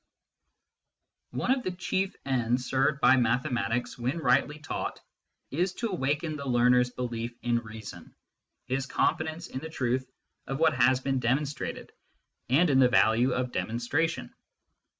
6a MYSTICISM AND LOGIC One of the chief ends served by mathematics, when rightly taught, is to awaken the learner s belief in reason, his confidence in the truth of what has been demon strated, and in the value of demonstration.